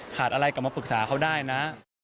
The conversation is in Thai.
อะไรกลับมาปรึกษาเขาได้นะ